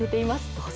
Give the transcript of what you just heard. どうぞ。